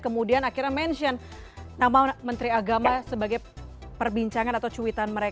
kemudian akhirnya mention nama menteri agama sebagai perbincangan atau cuitan mereka